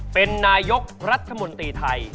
เป็นนายกรัฐมนตรีไทย